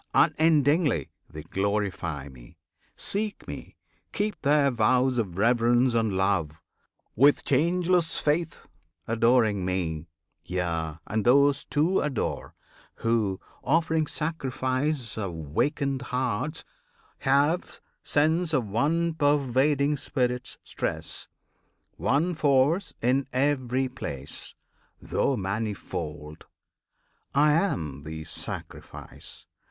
Unendingly They glorify Me; seek Me; keep their vows Of reverence and love, with changeless faith Adoring Me. Yea, and those too adore, Who, offering sacrifice of wakened hearts, Have sense of one pervading Spirit's stress, One Force in every place, though manifold! I am the Sacrifice!